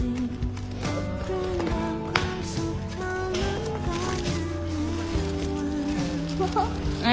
ทีนี้